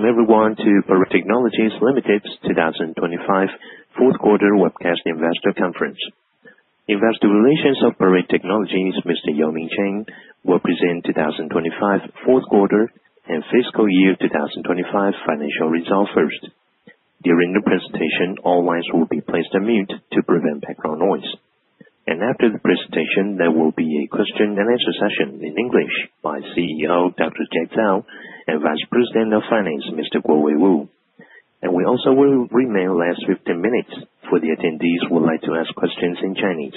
Welcome everyone to Parade Technologies Limited's 2025 fourth-quarter webcast investor conference. Investor relations of Parade Technologies, Mr. Yo-Ming Chang, will present 2025 fourth quarter and fiscal year 2025 financial results first. During the presentation, all lines will be placed on mute to prevent background noise. After the presentation, there will be a question-and-answer session in English by CEO Dr. Jack Zhao and Vice President of Finance Mr. Kuowei Wu. We also will remain last 15 minutes for the attendees who would like to ask questions in Chinese.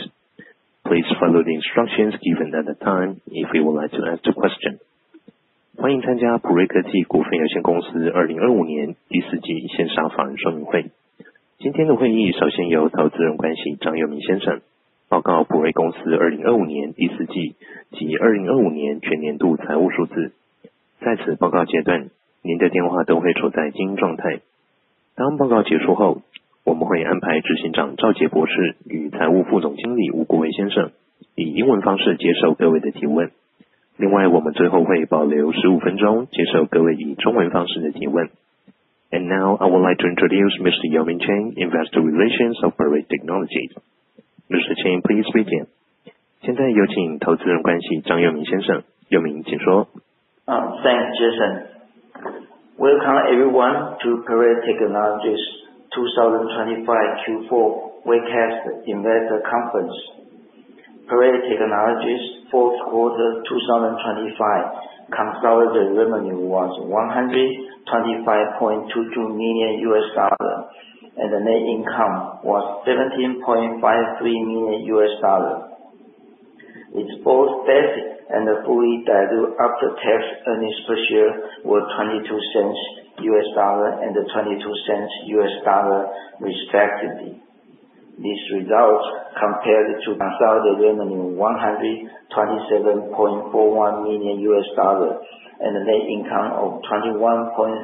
Please follow the instructions given at the time if you would like to ask a question. 欢迎参加普瑞科技股份有限公司2025年第四季线上法人说明会。今天的会议首先由投资人关系张佑明先生报告普瑞公司2025年第四季及2025年全年度财务数字。在此报告阶段，您的电话都会处在静音状态。当报告结束后，我们会安排执行长赵杰博士与财务副总经理吴国维先生以英文方式接受各位的提问。另外我们最后会保留15分钟接受各位以中文方式的提问。Now I would like to introduce Mr. Yo-Ming Chang, Investor Relations of Parade Technologies. Mr. Chang, please begin. 现在有请投资人关系张佑明先生。佑明，请说。Thanks, Jason. Welcome everyone to Parade Technologies 2025 Q4 webcast investor conference. Parade Technologies fourth quarter 2025 consolidated revenue was $125.22 million, and the net income was $17.53 million. It's both basic and the fully diluted after-tax earnings per share were $0.22 and $0.22 respectively. These results compared to consolidated revenue $127.41 million and the net income of $21.30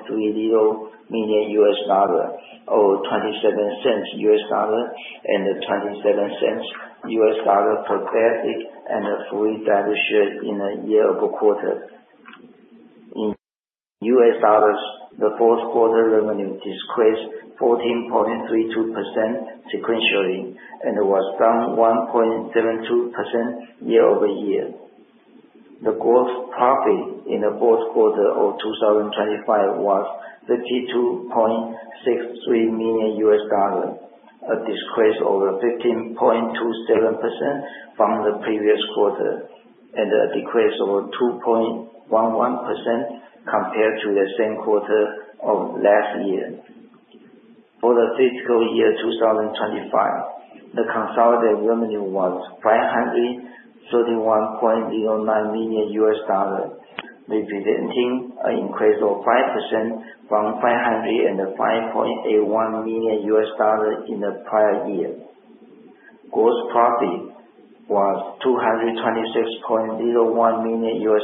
million, or $0.27 and $0.27 for basic and the fully diluted shares in the year-over-quarter. In US dollars, the fourth quarter revenue decreased 14.32% sequentially, and it was down 1.72% year-over-year. The gross profit in the fourth quarter of 2025 was $52.63 million, a decrease of 15.27% from the previous quarter, and a decrease of 2.11% compared to the same quarter of last year. For the fiscal year 2025, the consolidated revenue was $531.09 million, representing an increase of 5% from $505.81 million in the prior year. Gross profit was $226.01 million,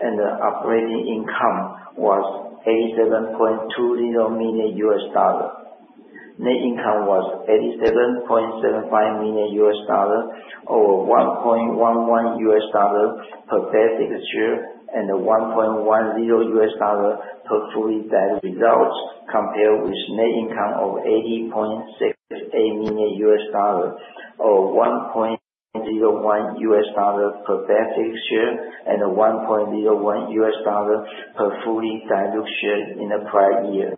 and the operating income was $87.20 million. Net income was $87.75 million, or $1.11 per basic share and $1.10 per fully diluted share, compared with net income of $80.68 million, or $1.01 per basic share and $1.01 per fully diluted share in the prior year.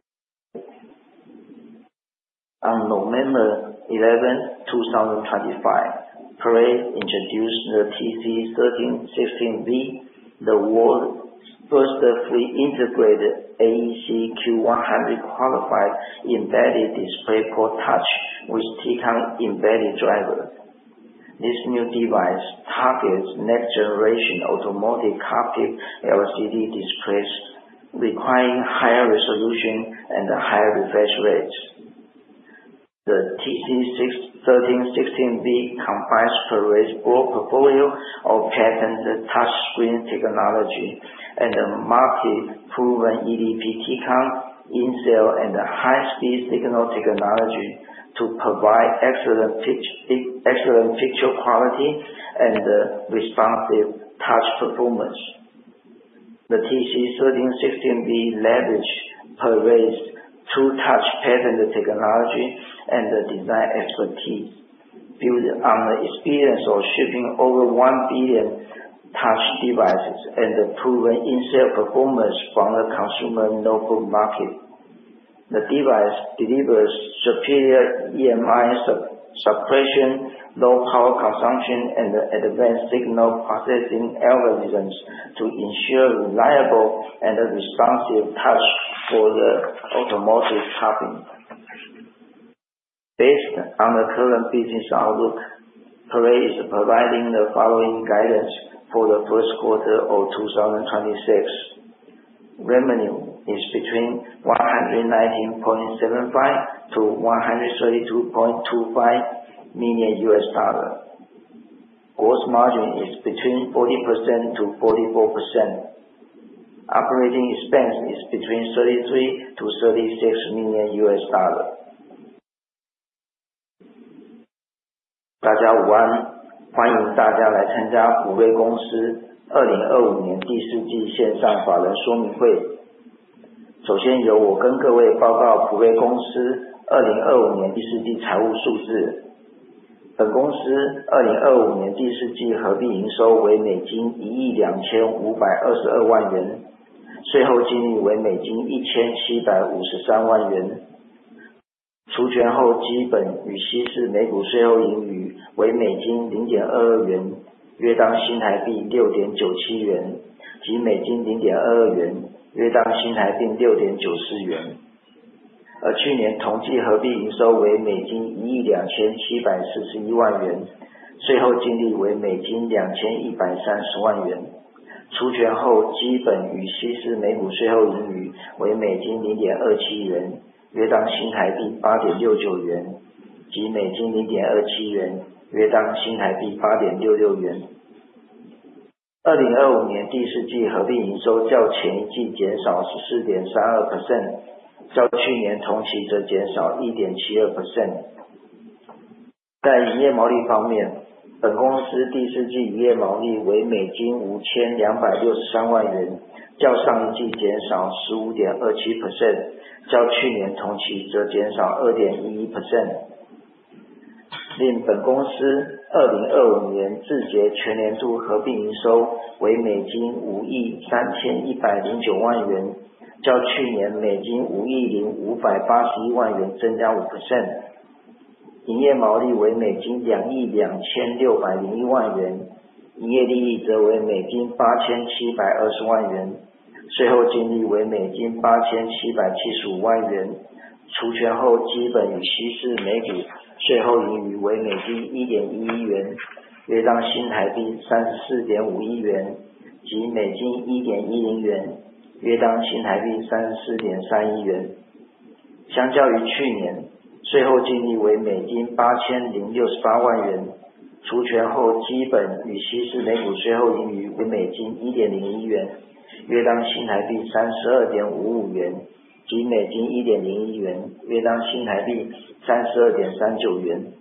On November 11, 2025, Parade introduced the TC1316V, the world's first fully integrated AEC-Q100 qualified embedded DisplayPort touch with TCON embedded driver. This new device targets next-generation automotive captive LCD displays, requiring higher resolution and higher refresh rates. The TC1316V combines Parade's broad portfolio of patented touchscreen technology and the market-proven eDP TCON, In-Cell, and high-speed signal technology to provide excellent picture quality and responsive touch performance. The TC1316V leverages Parade's TrueTouch patented technology and design expertise, built on the experience of shipping over 1 billion touch devices and the proven In-Cell performance from the consumer notebook market. The device delivers superior EMI suppression, low power consumption, and advanced signal processing algorithms to ensure reliable and responsive touch for the automotive cockpit. Based on the current business outlook, Parade is providing the following guidance for the first quarter of 2026: revenue is between $119.75 million-$132.25 million. Gross margin is between 40%-44%. Operating expense is between $33 million-$36 million. 大家午安，欢迎大家来参加普瑞公司2025年第四季线上法人说明会。首先由我跟各位报告普瑞公司2025年第四季财务数字。本公司2025年第四季合并营收为$125.22 million，税后净利为$17.53 million。除权后基本与稀释每股税后盈余为$0.22，约当新台币6.97元，即$0.22，约当新台币6.94元。而去年同季合并营收为$127.41 million，税后净利为$21.30 million。除权后基本与稀释每股税后盈余为$0.27，约当新台币8.69元，即$0.27，约当新台币8.66元。2025年第四季合并营收较前一季减少14.32%，较去年同期则减少1.72%。在营业毛利方面，本公司第四季营业毛利为$52.63 million，较上一季减少15.27%，较去年同期则减少2.11%。另本公司2025年自结全年度合并营收为$531.09 million，较去年$505.81 million增加5%。营业毛利为$226.01 million，营业利益则为$87.20 million，税后净利为$87.75 million。除权后基本与稀释每股税后盈余为$1.11，约当新台币34.51元，即$1.10，约当新台币34.31元。相较于去年，税后净利为$80.68 million，除权后基本与稀释每股税后盈余为$1.01，约当新台币32.55元，即$1.01，约当新台币32.39元。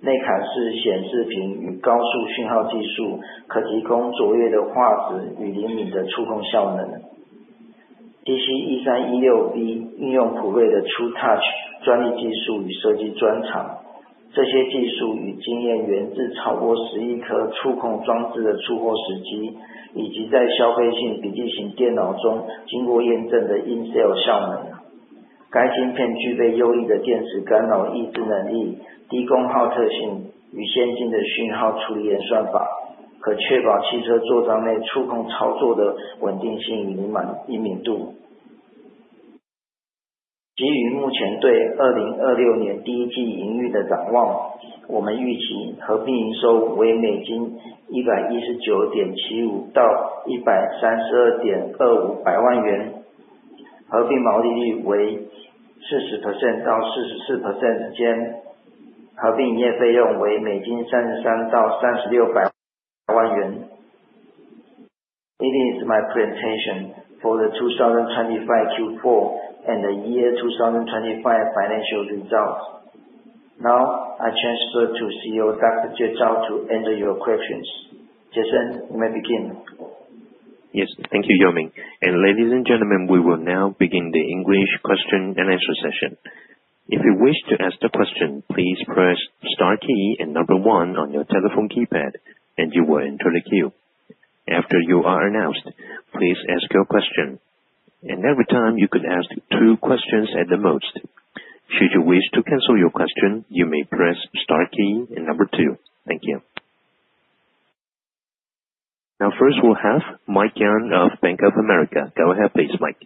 2025年1月11日，普瑞公司发表TC1316V，该产品为全球首款通过AEC-Q100认证eDP界面的触控与时序控制器整合驱动器全整合式晶片TTED。这款全新晶片专为需高解析度与高刷新率的次世代汽车座舱LCD显示器设计，整合普瑞广泛的触控萤幕专利技术，以及经市场验证的eDP时序控制器。In-Cell显示屏与高速讯号技术可提供卓越的画质与灵敏的触控效能。TC1316V运用普瑞的TrueTouch专利技术与设计专长。这些技术与经验源自超过10亿颗触控装置的出货经验，以及在消费性笔记型电脑中经过验证的In-Cell效能。该晶片具备优异的电磁干扰抑制能力、低功耗特性与先进的讯号处理演算法，可确保汽车座舱内触控操作的稳定性与灵敏度。基于目前对2026年第一季营运的展望，我们预期合并营收为$119.75-$132.25 million，合并毛利率为40%-44%之间，合并营业费用为$33-$36 million。This is my presentation for the 2025 Q4 and the year 2025 financial results. Now I transfer to CEO Dr. Jack Zhao to answer your questions. Jason, you may begin. Yes, thank you, Yo-Ming. Ladies and gentlemen, we will now begin the English question-and-answer session. If you wish to ask a question, please press star key and number one on your telephone keypad, and you will enter the queue. After you are announced, please ask your question. And every time you could ask two questions at the most. Should you wish to cancel your question, you may press star key and number two. Thank you. Now first we'll have Mike Yang of Bank of America. Go ahead, please, Mike.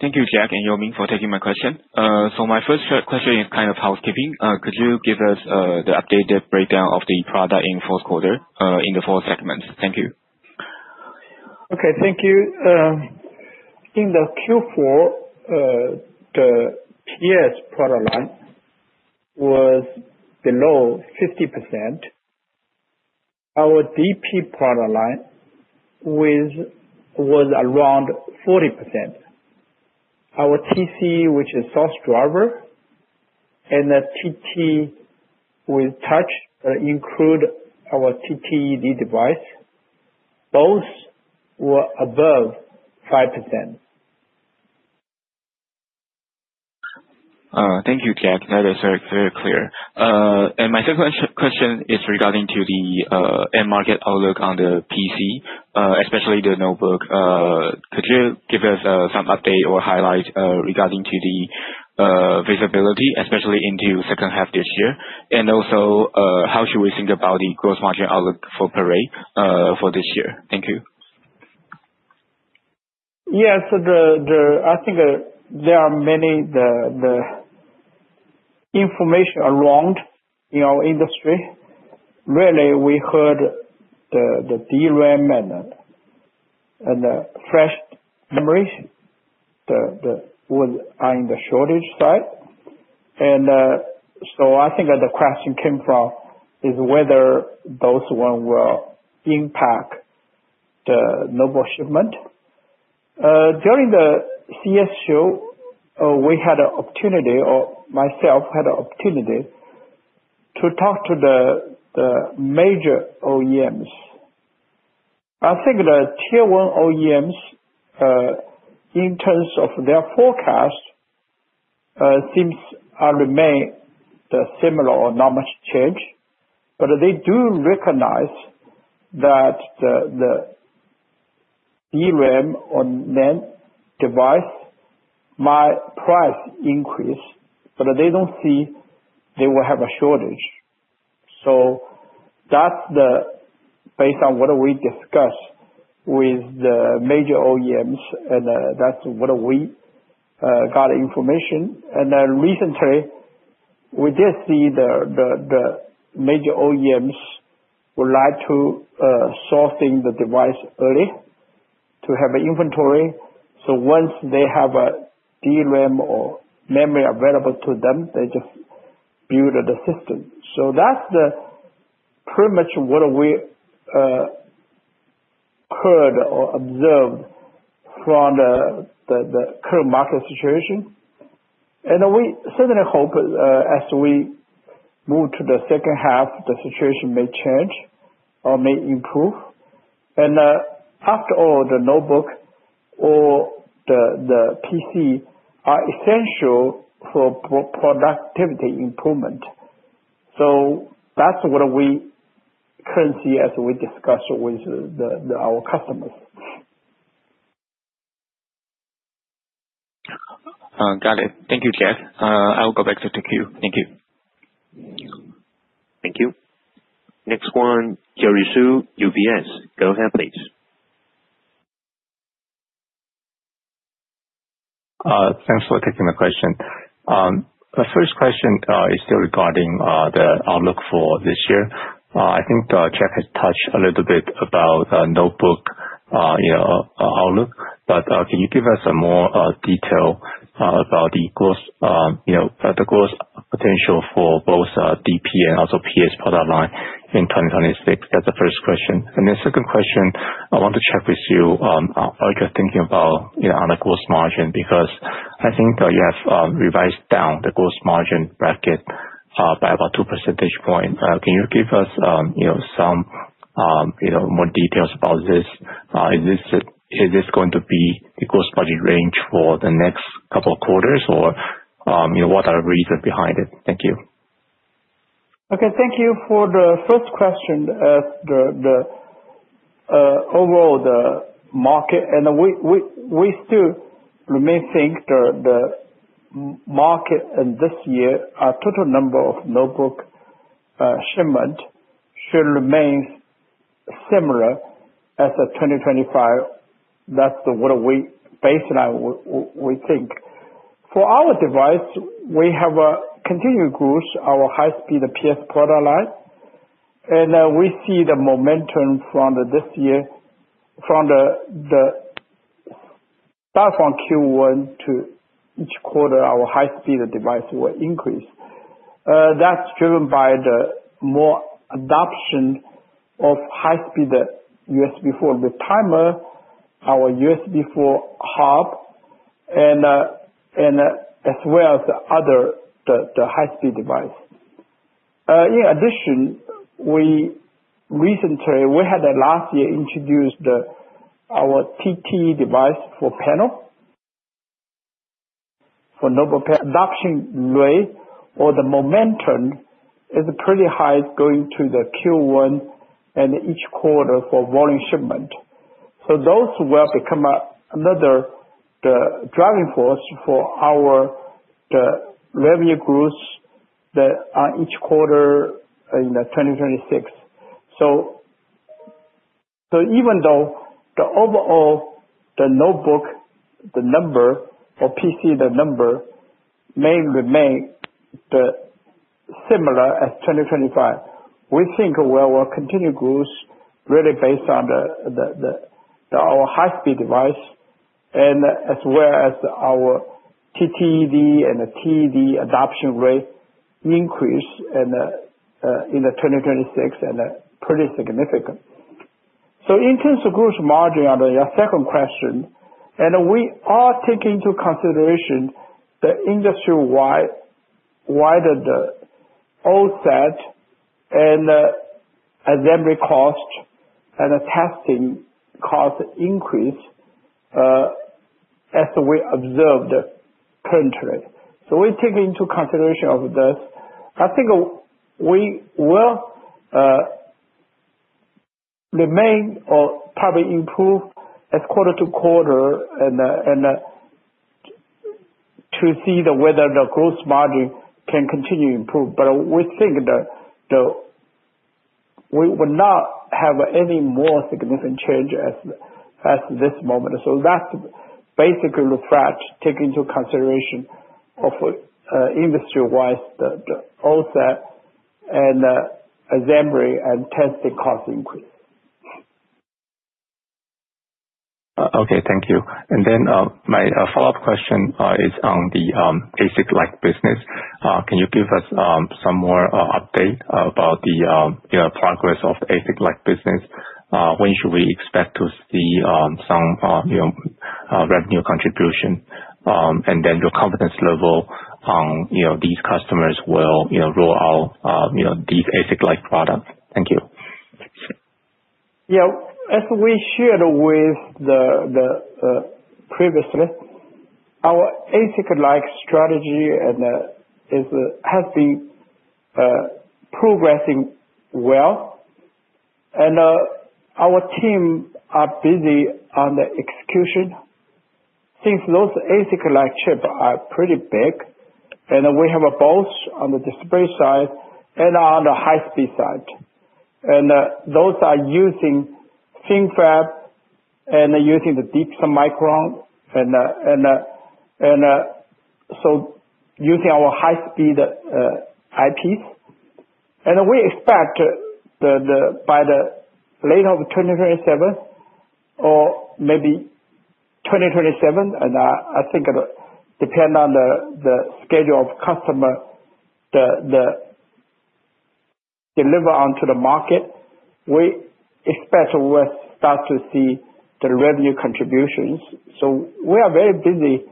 Thank you, Jack and Yo-Ming, for taking my question. So my first question is kind of housekeeping. Could you give us the updated breakdown of the product in fourth quarter in the four segments? Thank you. Okay, thank you. In the Q4, the PS product line was below 50%. Our DP product line was around 40%. Our TC, which is source driver, and the TT with touch, that include our TTED device, both were above 5%. Thank you, Jack. That is very clear. And my second question is regarding to the end-market outlook on the PC, especially the notebook. Could you give us some update or highlight regarding to the visibility, especially into second half this year? And also, how should we think about the gross margin outlook for Parade for this year? Thank you. Yeah, so I think there are many information around in our industry. Rarely we heard the DRAM and the flash memories are in the shortage side. And so I think the question came from is whether those one will impact the notebook shipment. During the CES show, we had an opportunity, or myself had an opportunity, to talk to the major OEMs. I think the tier-one OEMs, in terms of their forecast, seems to remain similar or not much change. But they do recognize that the DRAM or NAND device might price increase, but they don't see they will have a shortage. So that's based on what we discussed with the major OEMs, and that's what we got information. And then recently, we did see the major OEMs would like to source in the device early to have inventory. So once they have a DRAM or memory available to them, they just build the system. So that's pretty much what we heard or observed from the current market situation. And we certainly hope as we move to the second half, the situation may change or may improve. And after all, the notebook or the PC are essential for productivity improvement. So that's what we currently see as we discuss with our customers. Got it. Thank you, Jack. I will go back to the queue. Thank you. Thank you. Next one, Jerry Su, UBS. Go ahead, please. Thanks for taking my question. The first question is still regarding the outlook for this year. I think Jack has touched a little bit about notebook outlook, but can you give us more detail about the gross potential for both DP and also PS product line in 2026? That's the first question. And then second question, I want to check with you what you're thinking about on the gross margin because I think you have revised down the gross margin bracket by about two percentage points. Can you give us some more details about this? Is this going to be the gross budget range for the next couple of quarters, or what are the reasons behind it? Thank you. Okay, thank you for the first question. Overall, the market and we still remain think the market in this year, total number of notebook shipment should remain similar as 2025. That's what we baseline we think. For our device, we have continued growth, our high-speed PS product line. And we see the momentum from this year, from the start from Q1 to each quarter, our high-speed device will increase. That's driven by the more adoption of high-speed USB4 retimer, our USB4 hub, and as well as the other high-speed device. In addition, recently, we had last year introduced our TTED device for panel, for notebook. Adoption rate or the momentum is pretty high going to the Q1 and each quarter for volume shipment. So those will become another driving force for our revenue growth on each quarter in 2026. So even though the overall notebook, the number, or PC, the number may remain similar in 2025, we think we will continue growth really based on our high-speed device and as well as our TTED and TED adoption rate increase in 2026 and pretty significant. So in terms of gross margin, on your second question, and we are taking into consideration the industry-wide OSAT and assembly cost and testing cost increase as we observed currently. So we take into consideration of this. I think we will remain or probably improve as quarter to quarter to see whether the gross margin can continue to improve. But we think that we will not have any more significant change at this moment. So that's basically the things taken into consideration of industry-wise the OSAT and assembly and testing cost increase. Okay, thank you. Then my follow-up question is on the ASIC-like business. Can you give us some more update about the progress of the ASIC-like business? When should we expect to see some revenue contribution? And then your confidence level on these customers will roll out these ASIC-like products. Thank you. As we shared previously, our ASIC-like strategy has been progressing well. Our team are busy on the execution since those ASIC-like chips are pretty big. We have both on the display side and on the high-speed side. Those are using FinFET and using the deep sub-micron and so using our high-speed IPs. We expect by late 2027 or maybe 2027, and I think it depends on the schedule of customer deliver onto the market. We expect we'll start to see the revenue contributions. We are very busy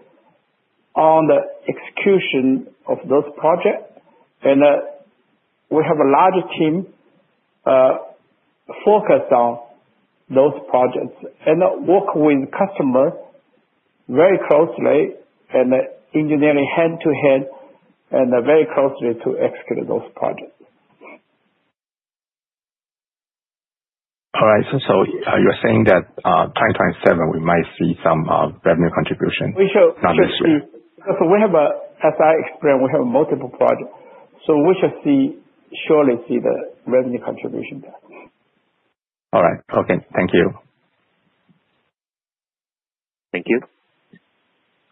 on the execution of those projects. We have a large team focused on those projects and work with customers very closely and engineering hand-in-hand and very closely to execute those projects. All right. So you're saying that 2027, we might see some revenue contribution? We should see because as I explained, we have multiple projects. So we should surely see the revenue contribution there. All right. Okay. Thank you. Thank you.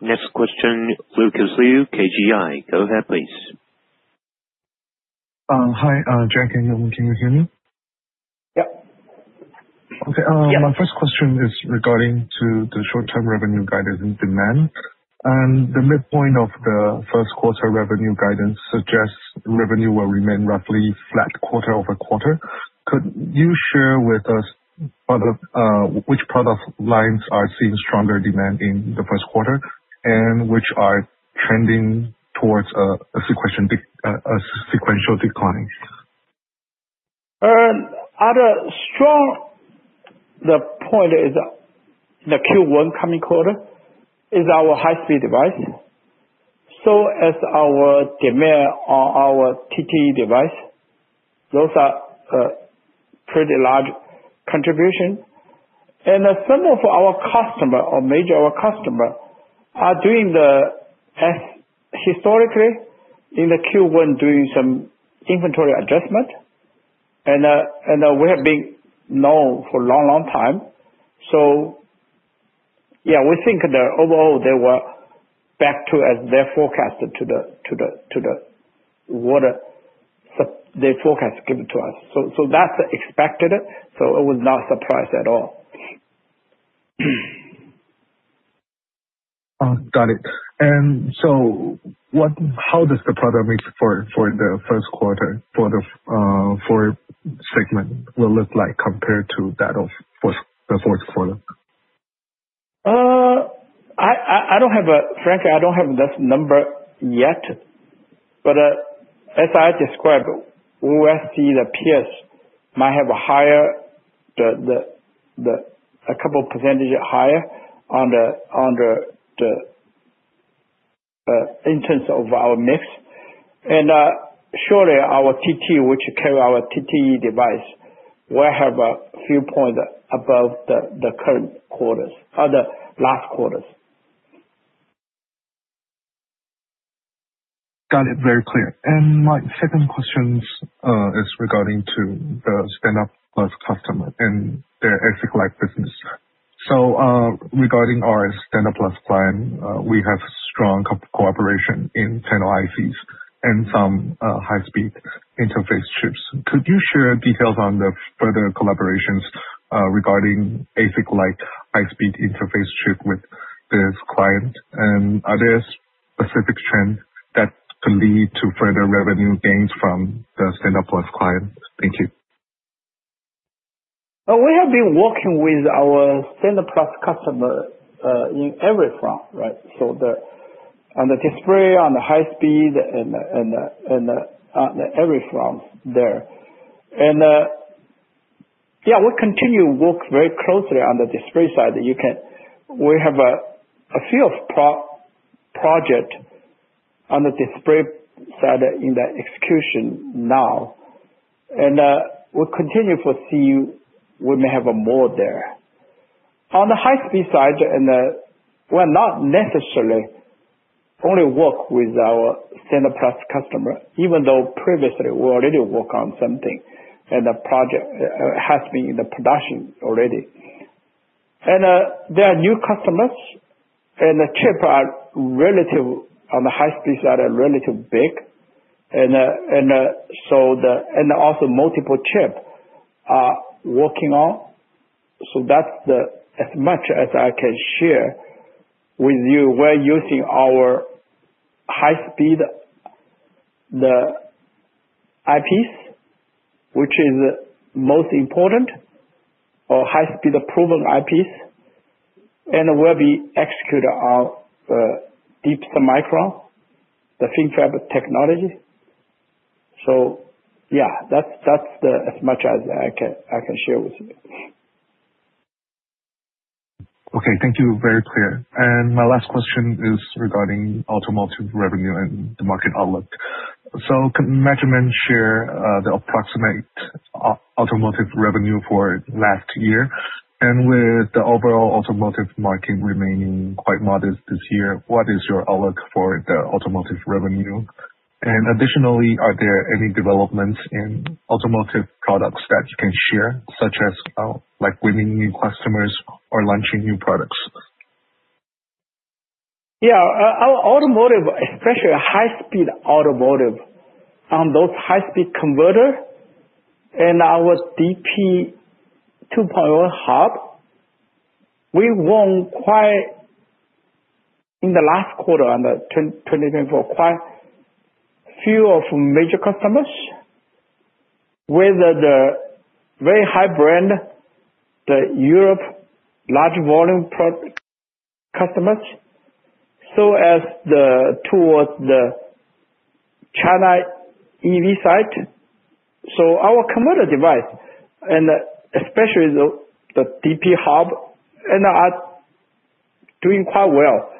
Next question, Lucas Liu, KGI. Go ahead, please. Hi, Jack and Yo-Ming. Can you hear me? Yep. Okay. My first question is regarding to the short-term revenue guidance and demand. The midpoint of the first quarter revenue guidance suggests revenue will remain roughly flat quarter-over-quarter. Could you share with us which product lines are seeing stronger demand in the first quarter and which are trending towards a sequential decline? The point in the Q1 coming quarter is our high-speed device. So as our demand on our TTED device, those are pretty large contributions. And some of our customer or major customer are doing the historically in the Q1 doing some inventory adjustment. And we have been known for a long, long time. So yeah, we think that overall, they were back to as they forecasted to the what they forecast given to us. So that's expected. So it was not a surprise at all. Got it. So how does the product mix for the first quarter, for the fourth segment, will look like compared to that of the fourth quarter? Frankly, I don't have enough numbers yet. But as I described, OSAT, the ASP might have a couple percentage higher in terms of our mix. And surely, our TTED, which carry our TTED device, will have a few points above the current quarters or the last quarters. Got it. Very clear. My second question is regarding the Standard Plus customer and their ASIC-like business. Regarding our Standard Plus client, we have strong cooperation in panel ICs and some high-speed interface chips. Could you share details on the further collaborations regarding ASIC-like high-speed interface chip with this client? And are there specific trends that could lead to further revenue gains from the Standard Plus client? Thank you. We have been working with our Standard Plus customer in every front, right? So on the display, on the high-speed, and on every front there. And yeah, we continue to work very closely on the display side. We have a few projects on the display side in the execution now. And we continue to see we may have more there. On the high-speed side, we are not necessarily only working with our Standard Plus customer, even though previously, we already worked on something, and the project has been in the production already. And there are new customers, and the chips are relatively on the high-speed side are relatively big. And also multiple chips are working on. So as much as I can share with you, we're using our high-speed IPs, which is most important, or high-speed proven IPs. And we'll be executing on Deep Sub-Micron, the FinFET technology. Yeah, that's as much as I can share with you. Okay. Thank you. Very clear. And my last question is regarding automotive revenue and the market outlook. So can management share the approximate automotive revenue for last year? And with the overall automotive market remaining quite modest this year, what is your outlook for the automotive revenue? And additionally, are there any developments in automotive products that you can share, such as winning new customers or launching new products? Yeah. Especially high-speed automotive, on those high-speed converter and our DP 2.0 hub, we won in the last quarter on 2024 quite a few of major customers, whether they're very high-brand, the Europe large-volume customers, so as towards the China EV side. So our converter device, and especially the DP hub, are doing quite well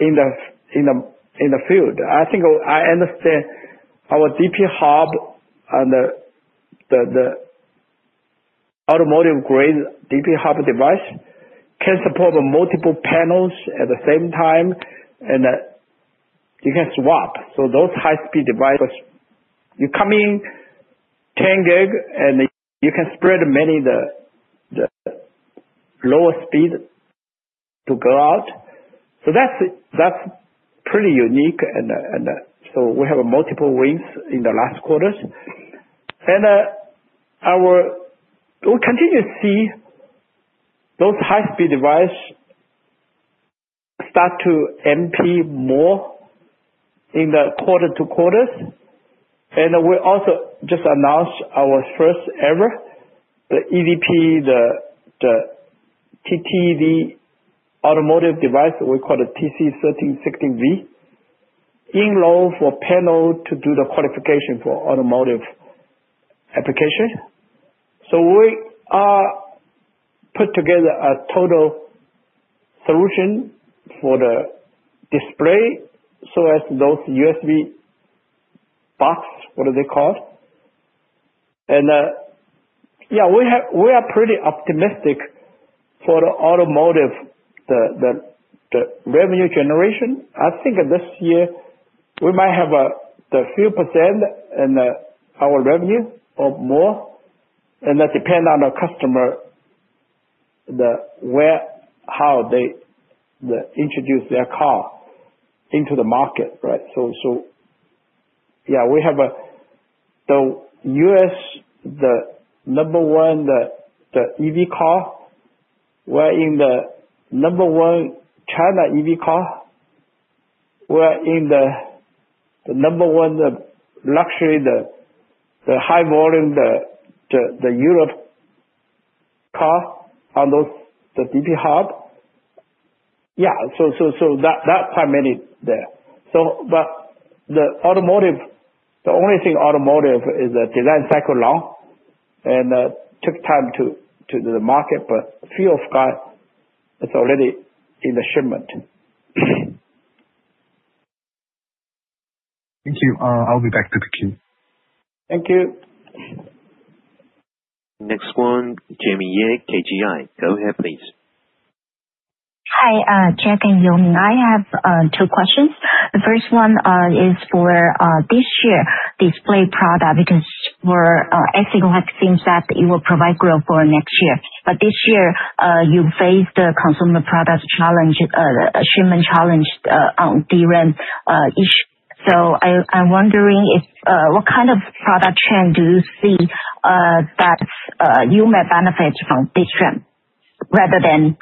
in the field. I think I understand our DP hub and the automotive-grade DP hub device can support multiple panels at the same time, and you can swap. So those high-speed devices. Because you come in 10 gig, and you can spread many of the lower speed to go out. So that's pretty unique. And so we have multiple wins in the last quarters. And we continue to see those high-speed devices start to MP more in the quarter to quarters. And we also just announced our first-ever EV, the TTED automotive device, we call it TC1360V, in line for panel to do the qualification for automotive application. So we put together a total solution for the display so as those USB box, what are they called? And yeah, we are pretty optimistic for the automotive, the revenue generation. I think this year, we might have a few percent in our revenue or more. And that depends on our customer, how they introduce their car into the market, right? So yeah, we have the number one EV car. We're in the number one China EV car. We're in the number one luxury, the high-volume, the Europe car on the DP hub. Yeah. So that's quite many there. But the only thing automotive is the design cycle long and took time to the market, but few of guys is already in the shipment. Thank you. I'll be back to the queue. Thank you. Next one, Jamie Yeh, KGI. Go ahead, please. Hi, Jack and Yo-Ming. I have two questions. The first one is for this year display product because for ASIC-like seems that it will provide growth for next year. But this year, you faced the consumer product shipment challenge on DRAM shortage. So I'm wondering what kind of product trend do you see that you may benefit from this trend rather than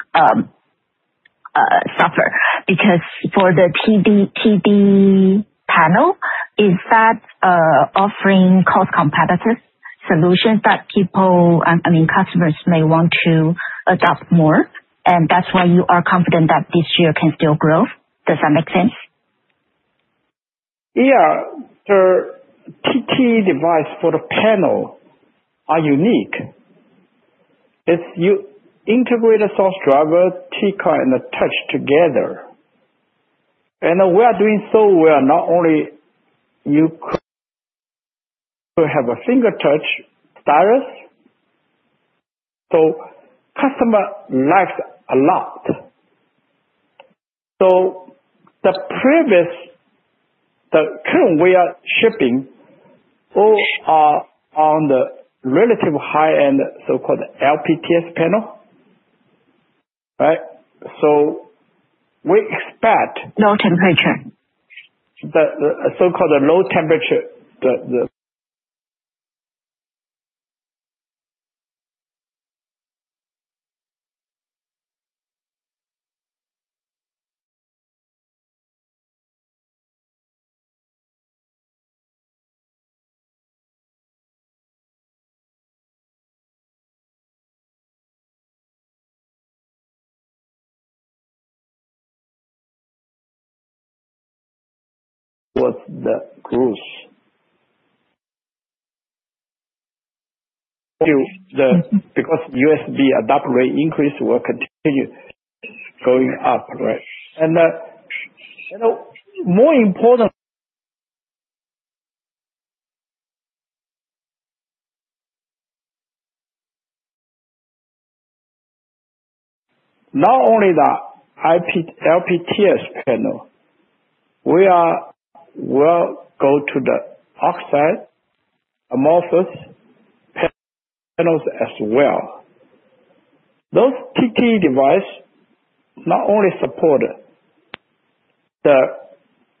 suffer? Because for the TTED panel, is that offering cost-competitive solutions that people, I mean, customers may want to adopt more? And that's why you are confident that this year can still grow. Does that make sense? Yeah. The TTED device for the panel are unique. You integrate a source driver, TCON, and a touch together. And we are doing so where not only you have a finger touch. Stylus. So customer likes a lot. So the current way of shipping all are on the relative high-end so-called LTPS panel, right? So we expect. Low temperature. The so-called low-temperature. Towards the groups. Because USB data rate increase will continue going up, right? And more important, not only the LTPS panel, we will go to the oxide amorphous panels as well. Those TTED devices not only support the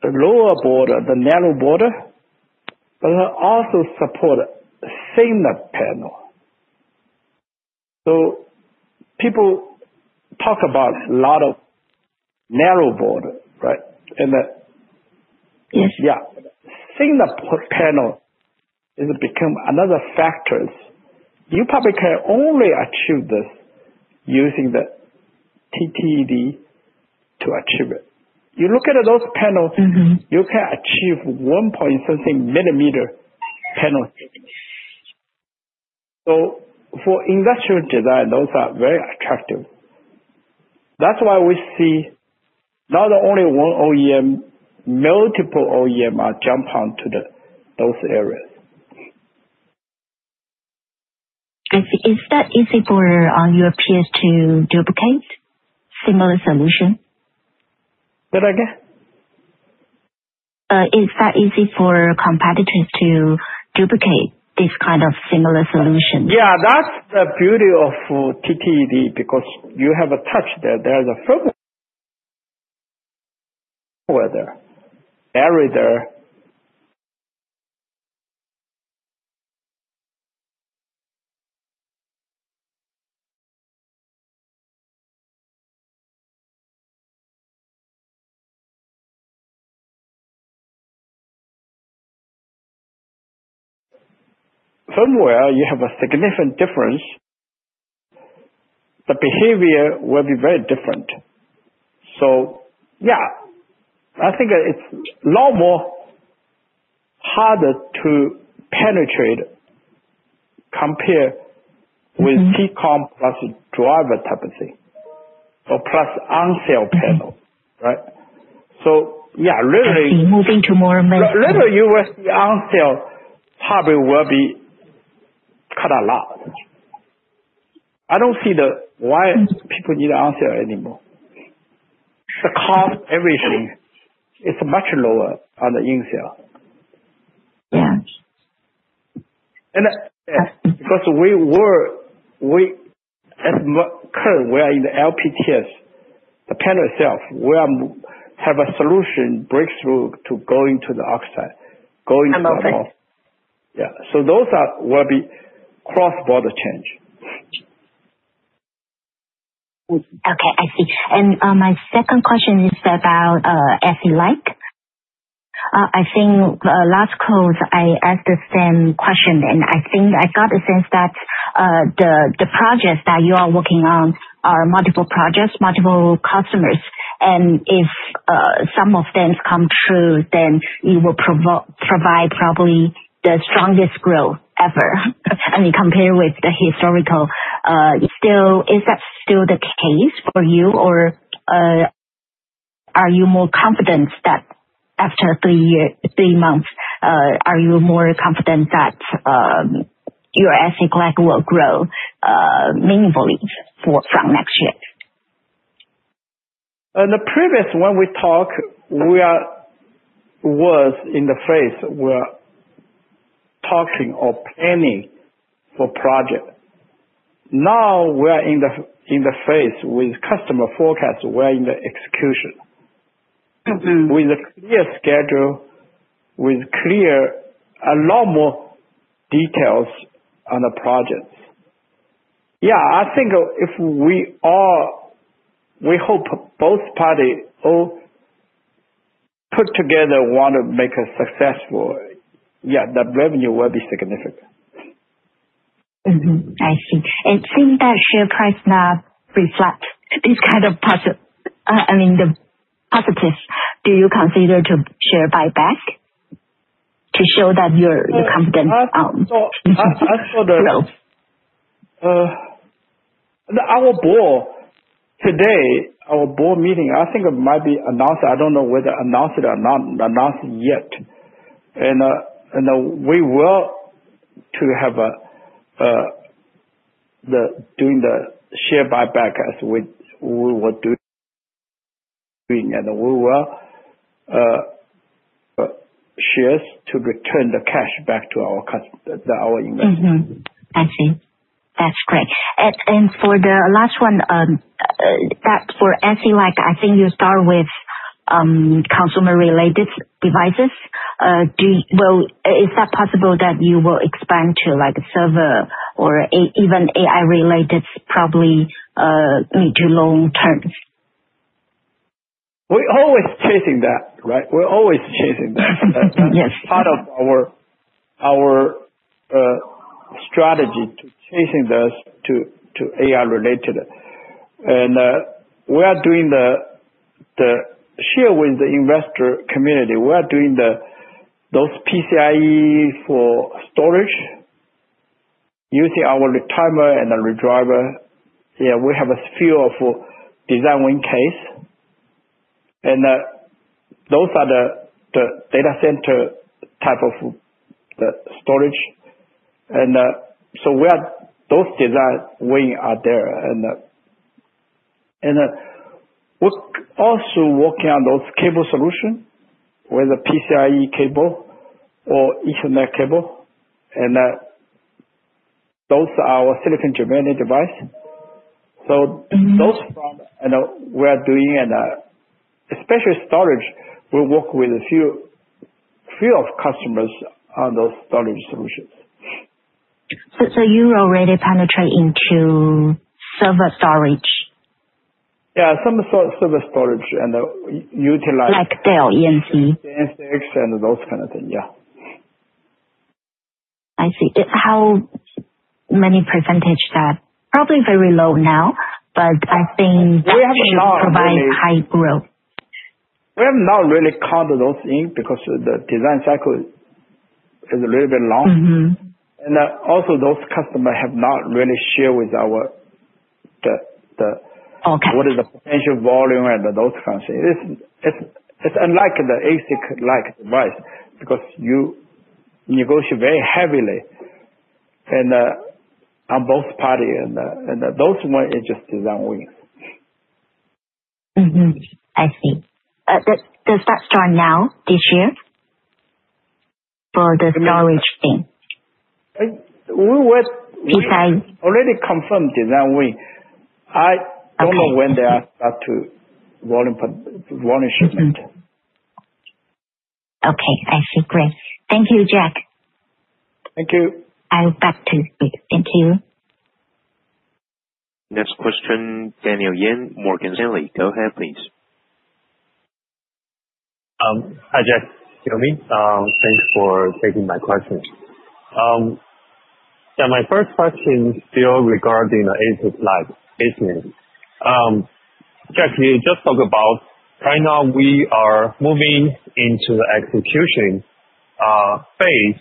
lower border, the narrow border, but also support thinner panel. So people talk about a lot of narrow border, right? Yes. Yeah. Thinner panel is become another factor. You probably can only achieve this using the TTED to achieve it. You look at those panels, you can achieve 1-something mm panel thickness. So for industrial design, those are very attractive. That's why we see not only one OEM, multiple OEM are jump on to those areas. I see. Is that easy for Europeans to duplicate, similar solution? Say that again? Is that easy for competitors to duplicate this kind of similar solution? Yeah. That's the beauty of TTED because you have a touch there. There is a firmware there. Error there. Firmware, you have a significant difference. The behavior will be very different. So yeah, I think it's a lot more harder to penetrate compared with TCON plus driver type of thing or plus On-Cell panel, right? So yeah, literally. I see. Moving to more mainstream. Literally, USB On-Cell probably will be cut a lot. I don't see why people need On-Cell anymore. The cost, everything, is much lower In-Cell. Yeah. Because currently, we are in the LTPS, the panel itself, we have a solution breakthrough to go into the oxide, go into the metal. Amorphous. Yeah. So those will be cross-border change. Okay. I see. And my second question is about ASIC-like. I think last quarter, I asked the same question, and I think I got a sense that the projects that you are working on are multiple projects, multiple customers. And if some of them come true, then it will provide probably the strongest growth ever, I mean, compared with the historical. Is that still the case for you, or are you more confident that after three months, are you more confident that your ASIC-like will grow meaningfully from next year? In the previous one we talked, we were in the phase we were talking or planning for project. Now, we are in the phase with customer forecast. We are in the execution with a clear schedule, with a lot more details on the projects. Yeah. I think if we hope both parties all put together want to make it successful, yeah, the revenue will be significant. I see. And seeing that share price now reflect this kind of, I mean, the positives, do you consider to share buyback to show that you're confident? I thought. Growth? Today, our board meeting, I think it might be announced. I don't know whether announced it or not. Announced yet. We will have doing the share buyback as we were doing, and we will shares to return the cash back to our investors. I see. That's great. And for the last one, for ASIC-like, I think you start with consumer-related devices. Well, is that possible that you will expand to server or even AI-related, probably mid to long terms? We're always chasing that, right? We're always chasing that. That's part of our strategy, chasing this to AI-related. And we are doing the share with the investor community. We are doing those PCIe for storage using our retimer and the redriver. Yeah. We have a few design win cases. And those are the data center type of storage. And so those design win are there. And we're also working on those cable solution with a PCIe cable or Ethernet cable. And those are our silicon germanium device. So those we are doing, and especially storage, we work with a few of customers on those storage solutions. You already penetrate into server storage? Yeah. Some server storage and utilize. Like Dell EMC. VNX and those kind of thing. Yeah. I see. How many percentage that probably very low now, but I think that should provide high growth. We have not really counted those in because the design cycle is a little bit long. Also, those customers have not really shared with what is the potential volume and those kind of things. It's unlike the ASIC-like device because you negotiate very heavily on both parties. Those ones, it's just design wins. I see. Does that start now, this year, for the storage thing? We already confirmed design win. I don't know when they are start to volume shipment. Okay. I see. Great. Thank you, Jack. Thank you. I'll be back to speak. Thank you. Next question, Daniel Yen, Morgan Stanley. Go ahead, please. Hi, Jack. Yo-Ming. Thanks for taking my question. Yeah. My first question is still regarding the ASIC-like business. Jack, you just talked about right now, we are moving into the execution phase.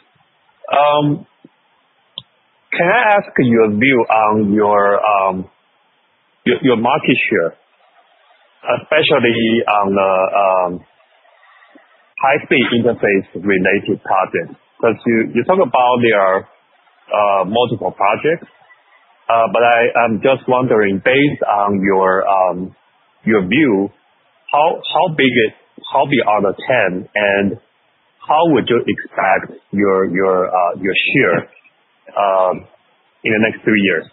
Can I ask your view on your market share, especially on the high-speed interface-related projects? Because you talk about there are multiple projects. But I'm just wondering, based on your view, how big are the 10, and how would you expect your share in the next three years?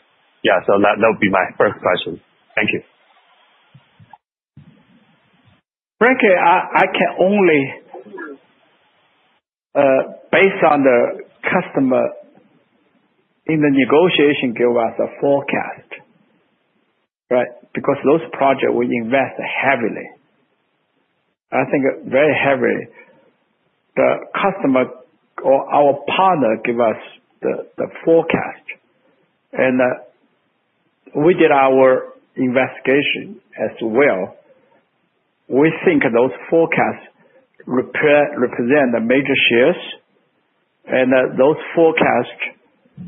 Yeah. So that would be my first question. Thank you. Frankly, I can only, based on the customer in the negotiation, give us a forecast, right? Because those projects, we invest heavily, I think very heavily. The customer or our partner give us the forecast. And we did our investigation as well. We think those forecasts represent the major shares. And those forecasts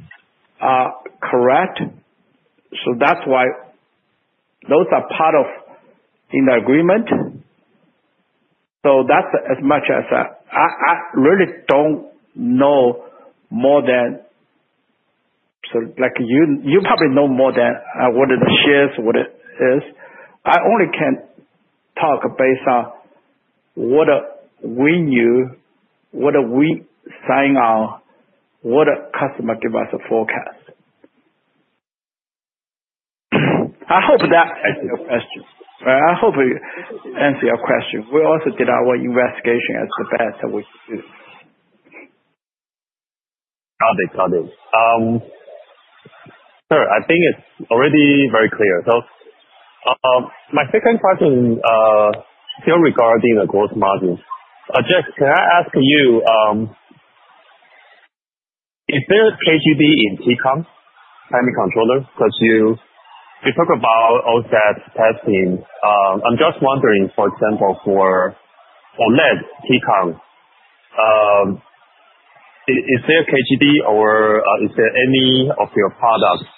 are correct. So that's why those are part of in the agreement. So that's as much as I really don't know more than so you probably know more than what are the shares, what it is. I only can talk based on what we knew, what we signed on, what the customer give us a forecast. I hope that answered your question, right? I hope it answered your question. We also did our investigation as the best we could. Got it. Got it. Sure. I think it's already very clear. So my second question is still regarding the gross margin. Jack, can I ask you, is there KGD in TCON, semicontroller? Because you talk about OSAT testing. I'm just wondering, for example, for OLED, TCON, is there KGD, or is there any of your products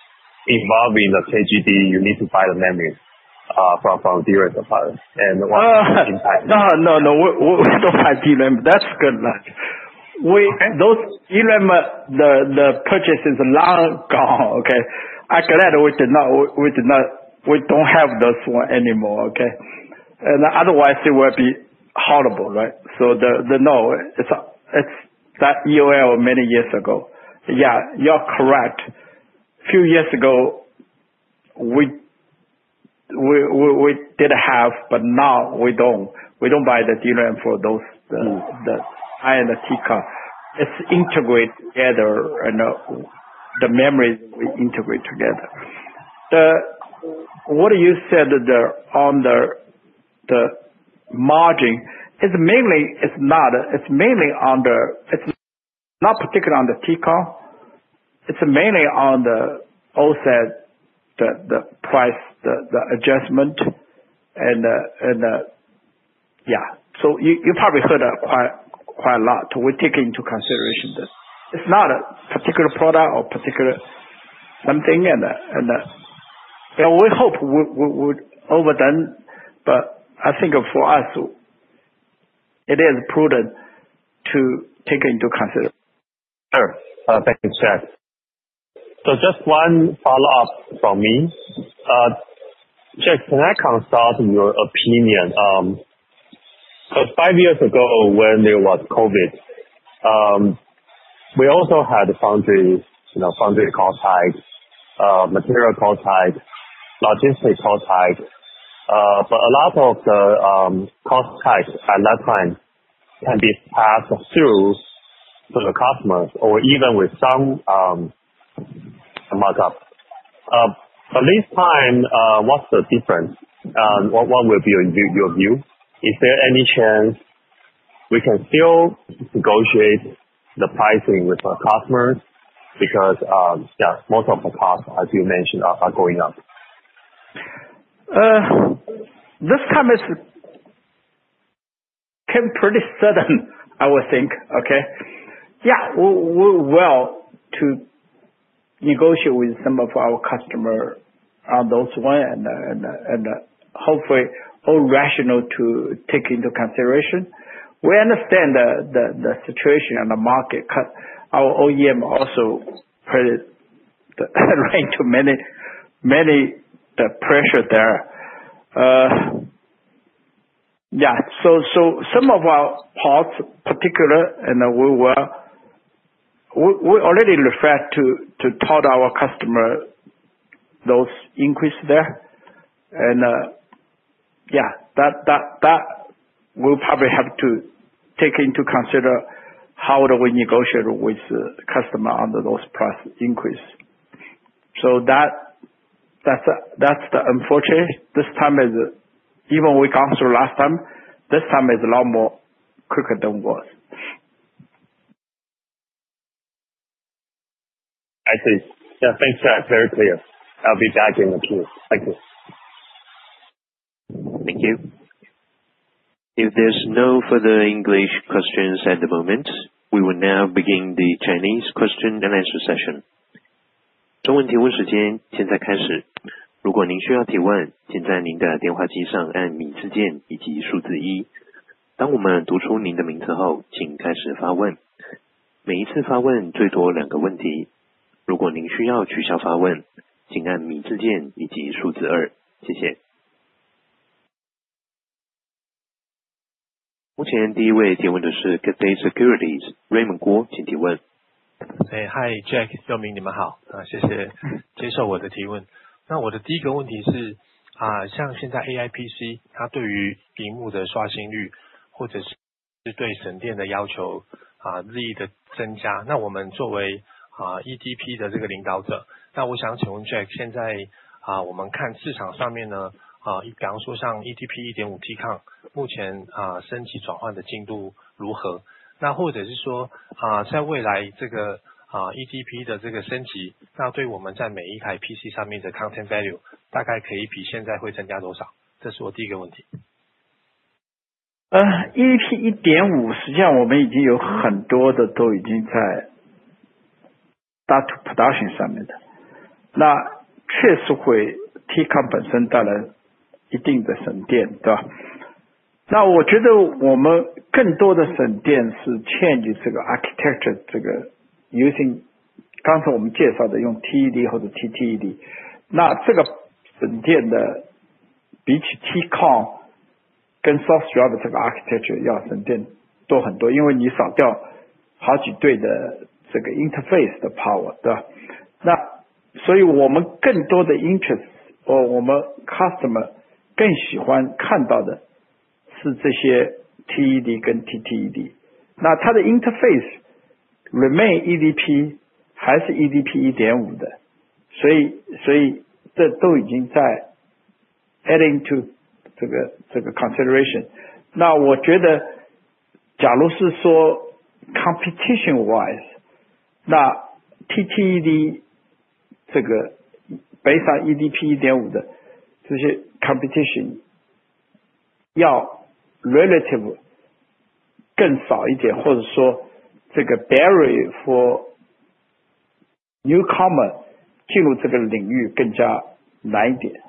involving the KGD? You need to buy the memory from a dealer supplier. And what impact? No, no, no. We don't buy DRAM. That's good. The purchase is long gone, okay? I'm glad we did not we don't have those one anymore, okay? And otherwise, it will be horrible, right? So no, it's that EOL many years ago. Yeah. You're correct. A few years ago, we did have, but now we don't. We don't buy the DRAM for those high-end TCON. It's integrated together, and the memory, we integrate together. What you said on the margin, it's mainly not. It's mainly under it's not particularly on the TCON. It's mainly on the OSAT, the price, the adjustment. And yeah. So you probably heard quite a lot. We take into consideration this. It's not a particular product or particular something. And we hope we would over them. But I think for us, it is prudent to take into. Sure. Thank you, Jack. So just one follow-up from me. Jack, can I consult your opinion? Because five years ago, when there was COVID, we also had foundry cost hikes, material cost hikes, logistics cost hikes. But a lot of the cost hikes at that time can be passed through to the customers or even with some markup. But this time, what's the difference? What will be your view? Is there any chance we can still negotiate the pricing with our customers because, yeah, most of the cost, as you mentioned, are going up? This time came pretty sudden, I would think, okay? Yeah. We're well to negotiate with some of our customers on those one, and hopefully, all rational to take into consideration. We understand the situation and the market because our OEM also put it right to many, many pressure there. Yeah. So some of our parts, particular, and we already referred to told our customer those increase there. And yeah, we'll probably have to take into consider how do we negotiate with the customer under those price increase. So that's the unfortunate this time is even we gone through last time, this time is a lot more quicker than it was. I see. Yeah. Thanks, Jack. Very clear. I'll be back in a few. Thank you. Thank you. If there's no further English questions at the moment, we will now begin the Chinese question and answer session. 中文提问时间现在开始。如果您需要提问，请在您的电话机上按"米"字键以及数字"1"。当我们读出您的名字后，请开始发问。每一次发问最多两个问题。如果您需要取消发问，请按"米"字键以及数字"2"。谢谢。目前第一位提问的是 Cathay Securities， Raymond Kuo，请提问。much? This is my first question. TTED 这个 based on eDP 1.5 的这些 competition 要 relative 更少一点，或者说这个 barrier for newcomer 进入这个领域更加难一点。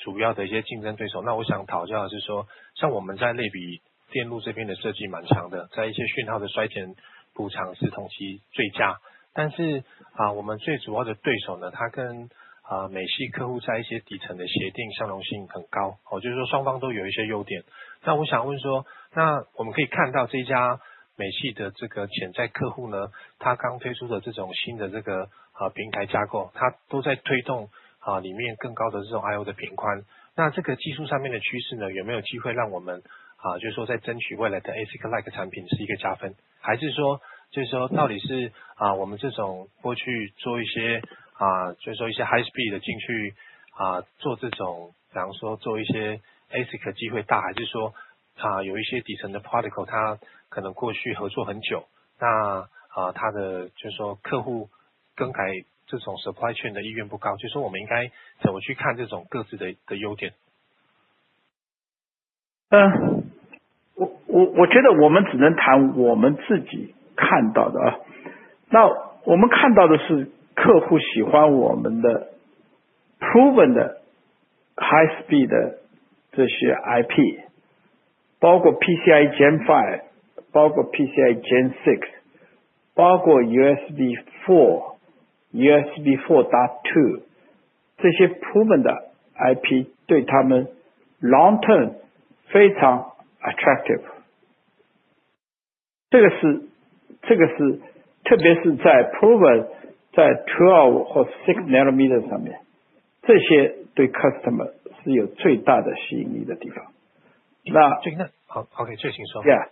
好。那Jack，我的第一个问题是刚刚很多分析师都已经有问到ASIC-like，但是我想再聊一些细节。那比方说，就说我们可以跟市场上几家我们主要的一些竞争对手，那我想讨教的是说，像我们在类比电路这边的设计蛮强的，在一些讯号的衰减补偿是同期最佳。但是我们最主要的对手，它跟美系客户在一些底层的协定相容性很高，就是说双方都有一些优点。那我想问说，那我们可以看到这一家美系的这个潜在客户，它刚推出的这种新的这个平台架构，它都在推动里面更高的这种I/O的频宽。那这个技术上面的趋势有没有机会让我们就说在争取未来的ASIC-like产品是一个加分？还是说就是说到底是我们这种过去做一些就是说一些high chain的意愿不高？就是说我们应该怎么去看这种各自的优点？ 我觉得我们只能谈我们自己看到的。那我们看到的是客户喜欢我们的proven的high speed的这些IP，包括PCI Gen 5，包括PCI Gen 6，包括USB 4.2，这些proven的IP对他们long term非常attractive。这个是特别是在proven在12或6 nanometer上面，这些对customer是有最大的吸引力的地方。那。好，Jack，请说。Yeah.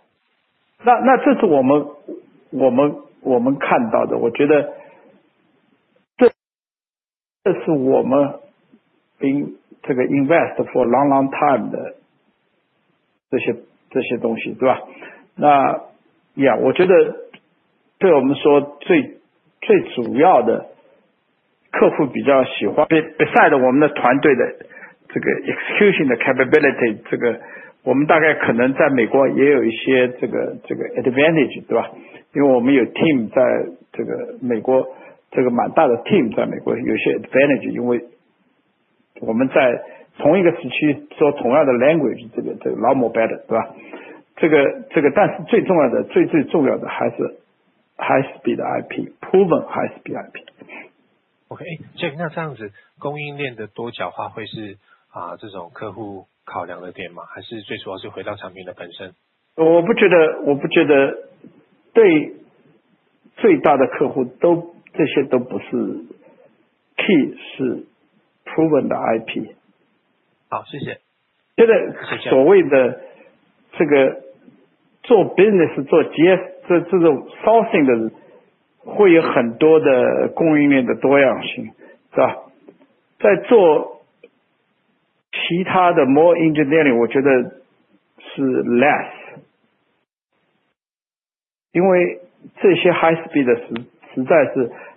那这是我们看到的。我觉得这是我们been invest for long, long time的这些东西，对吧？那yeah，我觉得对我们说最主要的客户比较喜欢. Besides我们的团队的这个execution的capability，这个我们大概可能在美国也有一些这个advantage，对吧？因为我们有team在这个美国，这个蛮大的team在美国有些advantage，因为我们在同一个时期说同样的language，这个老母辈的，对吧？这个但是最重要的，最最重要的还是high speed的IP，proven high speed IP. Okay. Jack，那这样子供应链的多角化会是这种客户考量的点吗？还是最主要是回到产品的本身？ 我不觉得。我不觉得对最大的客户都这些都不是key是proven的IP。好，谢谢。现在所谓的这个做business，做这种sourcing的会有很多的供应链的多样性，对吧？在做其他的more engineering，我觉得是less，因为这些high speed的实在是两边都需要花significant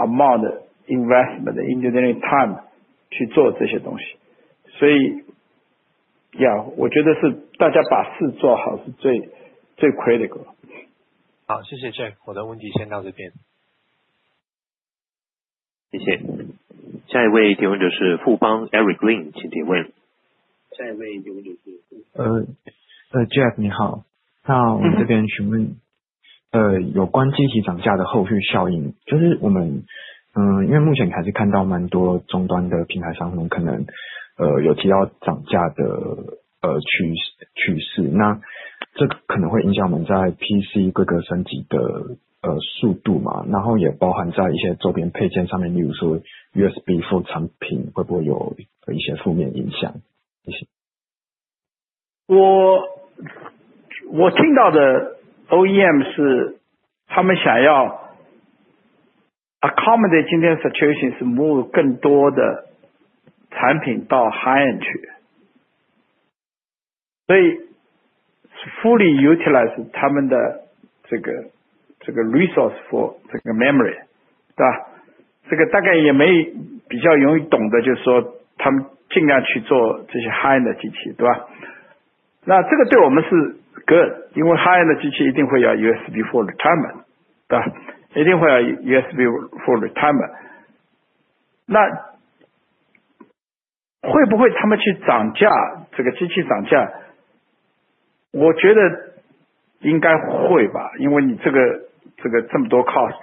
amount的investment的engineering time去做这些东西。所以yeah，我觉得是大家把事做好是最critical。好，谢谢Jack。我的问题先到这边。谢谢。下一位提问者是富邦Eric Lin，请提问。下一位提问者是富邦。Jack，你好。那我们这边询问有关机体涨价的后续效应，就是我们因为目前还是看到蛮多终端的平台商品可能有提到涨价的趋势。那这可能会影响我们在PC规格升级的速度吗？然后也包含在一些周边配件上面，例如说USB for产品会不会有一些负面影响？谢谢。我听到的OEM是他们想要accommodate今天situation是move更多的产品到high end去，所以fully utilize他们的这个resource for这个memory，对吧？这个大概也没比较容易懂的就是说他们尽量去做这些high end的机器，对吧？那这个对我们是good，因为high end的机器一定会要USB4 retimer，对吧？一定会要USB4 retimer。那会不会他们去涨价，这个机器涨价，我觉得应该会吧，因为你这么多cost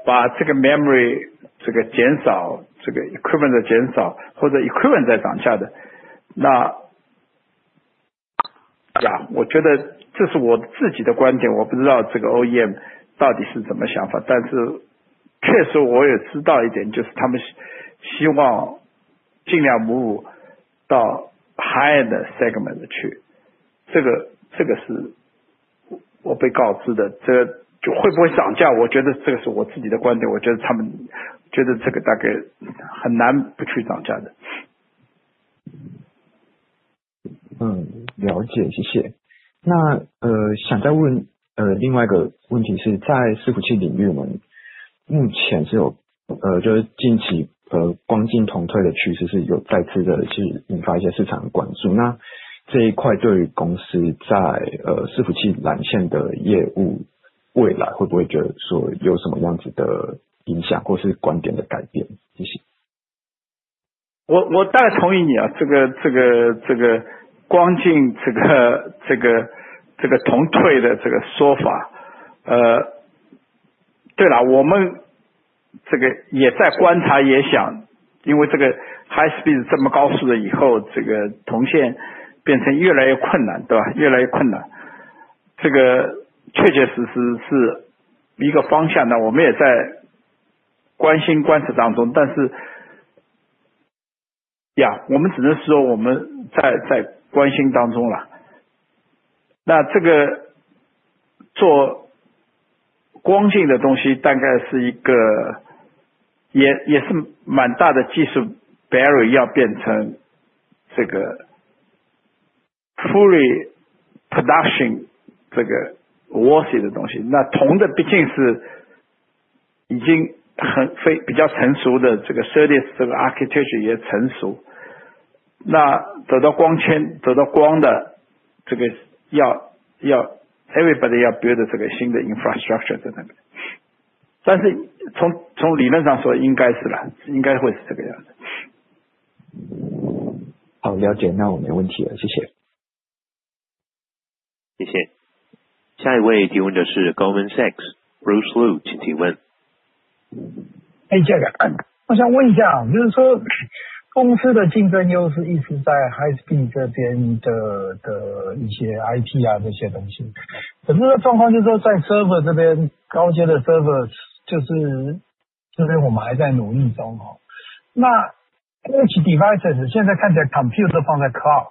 increase，这个对OEM大概不得不去做一些这个price调整吧。除了把这个memory减少，这个equipment的减少或者equipment在涨价的，那yeah，我觉得这是我自己的观点。我不知道这个OEM到底是怎么想法，但是确实我也知道一点就是他们希望尽量move到high end的segment去，这个是我被告知的。这个会不会涨价，我觉得这个是我自己的观点。我觉得他们觉得这个大概很难不去涨价的。好，了解。那我没问题了，谢谢。谢谢。下一位提问者是Goldman Sachs，Bruce Lu请提问。哎，Jack，我想问一下就是说公司的竞争优势一直在high speed这边的一些IP这些东西，可是那状况就是说在server这边高阶的server就是这边我们还在努力中。那edge devices现在看起来compute都放在cloud，所以edge devices现在edge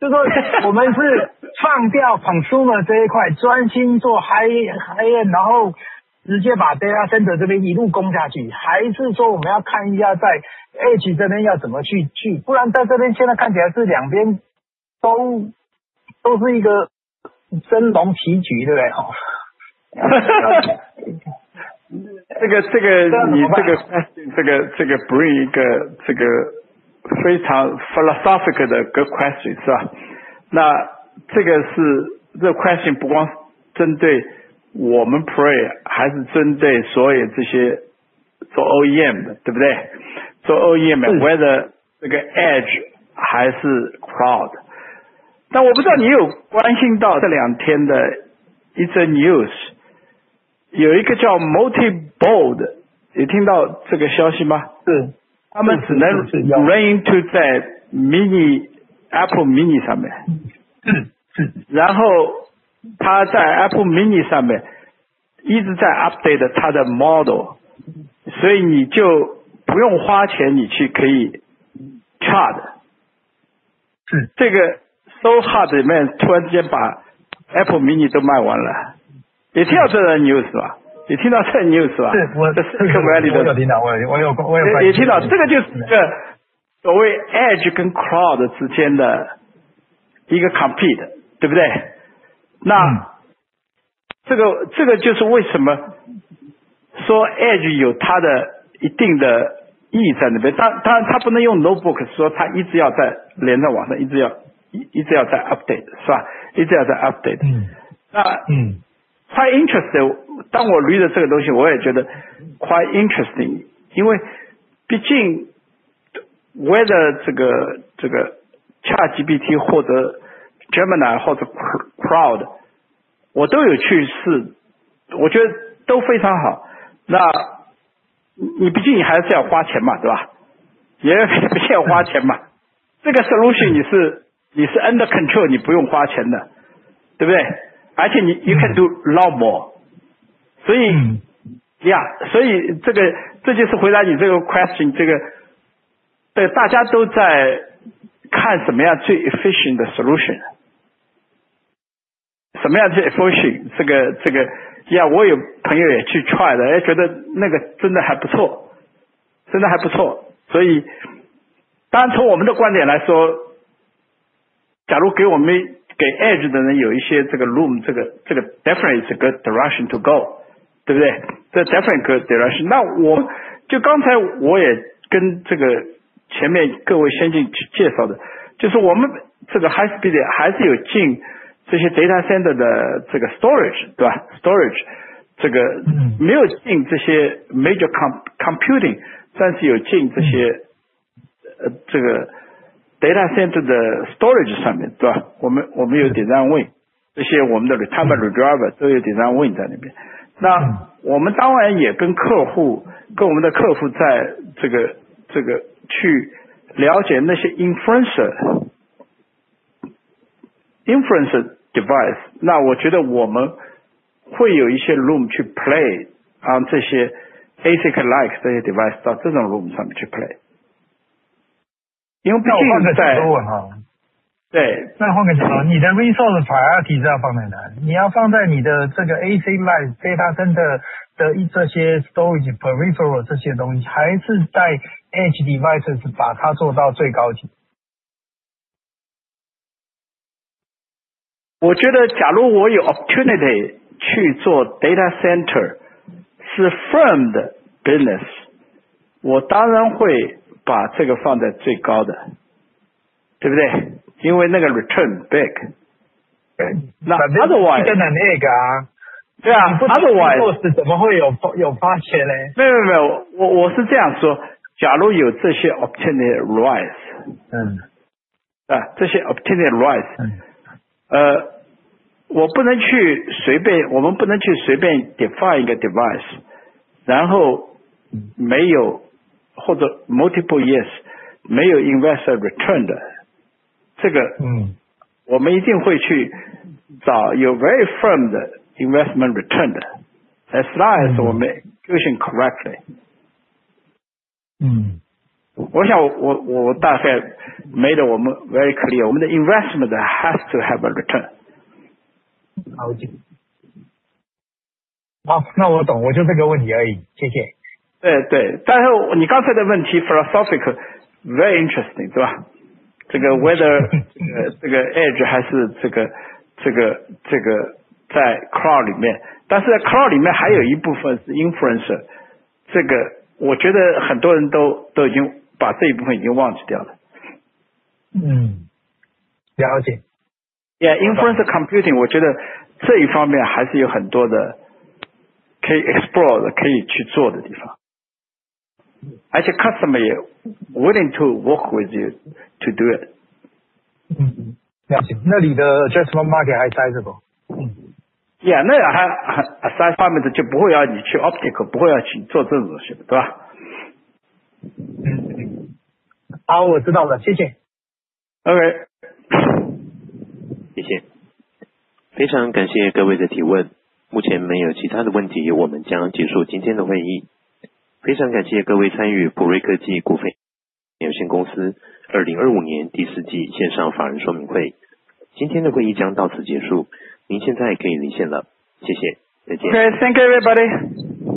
end，然后直接把datacenter这边一路攻下去，还是说我们要看一下在edge这边要怎么去，不然在这边现在看起来是两边都是一个争龙棋局，对不对？ Bryan一个非常philosophical的good question，是吧？那这个question不光是针对我们Parade还是针对所有这些做OEM的，对不对？做OEM whether这个edge还是cloud。那我不知道你有没有关心到这两天的一则news，有一个叫Multi-Board，你听到这个消息吗？`是。他们只能run 在Mac Mini上面，然后他在Mac Mini上面一直在update他的model，所以你就不用花钱你去可以chat。这个sold out 里面突然之间把Mac Mini都卖完了。你听到这个news吧？你听到这个news吧？ 对，我有听到。你听到这个就是所谓edge跟cloud之间的一个competition，对不对？那这个就是为什么说edge有他的一定的意义在那边，当然他不能用notebook说他一直要在连在网上一直要一直要在update，是吧？一直要在update。那quite interesting，当我read了这个东西我也觉得quite interesting，因为毕竟whether这个ChatGPT或者Gemini或者cloud我都有去试，我觉得都非常好。那你毕竟还是要花钱嘛，对吧？也要花钱嘛。这个solution你是under control你不用花钱的，对不对？而且你you can do a lot more。所以yeah，所以这个这就是回答你这个question，这个大家都在看什么样最efficient的solution，什么样最efficient这个yeah，我有朋友也去try了，也觉得那个真的还不错，真的还不错。所以当然从我们的观点来说，假如给我们给edge的人有一些这个room，这个definitely is a good direction to go，对不对？这definitely good direction。那我们就刚才我也跟这个前面各位先进去介绍的，就是我们这个high-speed还是有进这些data center的这个storage，对吧？storage这个没有进这些major computing，但是有进这些这个data center的storage上面，对吧？我们有design win，这些我们的retimer redriver都有design win在那边。那我们当然也跟客户跟我们的客户在这个去了解那些inference device，那我觉得我们会有一些room去play on这些ASIC-like这些device到这种room上面去play。因为毕竟在。那我换个角度问好了。对。那换个角度，你的resource priority是要放在哪里？你要放在你的这个ASIC-like datacenter的这些storage peripheral这些东西，还是在edge devices把它做到最高级？ 因为那个return big。那other one. 这个呢，那个啊。对啊，other one是怎么会有花钱呢？ 没有，没有，我是这样说，假如有这些opportunity arise，这些opportunity arise，我不能去随便，我们不能去随便define一个device，然后没有或者multiple years没有investor return的，这个我们一定会去找有very firm的investment return的。As long as我们fusion correctly。我想我大概made我们very clear，我们的investment has to have a return。好，那我懂，我就这个问题而已，谢谢。里面，但是在 cloud 里面还有一部分是 influencer，这个我觉得很多人都已经把这一部分已经忘记掉了。了解。influencer computing我觉得这一方面还是有很多的可以explore的，可以去做的地方，而且customer也willing to work with you to do it. for market 还 sizable？ Yeah，那还assess。Department就不会要你去optical，不会要去做这种东西的，对吧？ 好，我知道了，谢谢。Okay。谢谢。非常感谢各位的提问，目前没有其他的问题，我们将结束今天的会议。非常感谢各位参与Pray科技股份有限公司2025年第四季线上法人说明会。今天的会议将到此结束，您现在可以离线了，谢谢，再见。thank you everybody.